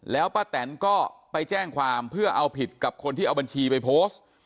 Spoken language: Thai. แล้วป้าแตนก็ไปแจ้งความเพื่อเอาผิดกับคนที่เอาบัญชีไปโพสต์